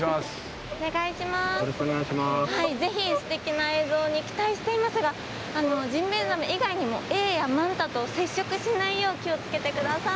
ぜひすてきな映像に期待していますがジンベエザメ以外にもエイやマンタと接触しないよう気をつけてください。